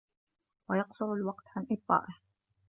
وَيَقْصُرَ الْوَقْتُ عَنْ إبْطَائِهِ